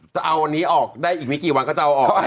จะเอาวันนี้ออกได้อีกไม่กี่วันก็จะเอาออกแล้ว